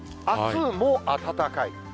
あすも暖かい。